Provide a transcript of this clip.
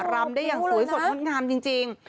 รำได้อย่างสวยสดงดงามจริง